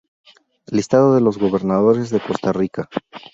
Listado de los Gobernadores de Costa Rica